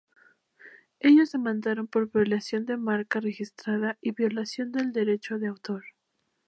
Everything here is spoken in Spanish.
Ellos demandaron por violación de marca registrada y violación del derecho de autor.